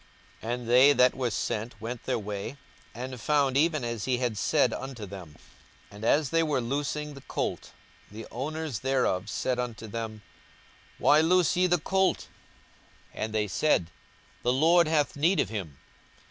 42:019:032 And they that were sent went their way, and found even as he had said unto them. 42:019:033 And as they were loosing the colt, the owners thereof said unto them, Why loose ye the colt? 42:019:034 And they said, The Lord hath need of him.